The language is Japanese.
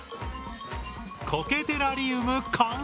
コケテラリウム完成！